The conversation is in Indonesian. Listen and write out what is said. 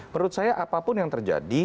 menurut saya apapun yang terjadi